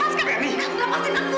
lepaskan handphoneku rizky